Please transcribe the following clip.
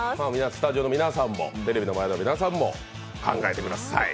スタジオの皆さんもテレビの前の皆さんも考えてみてください。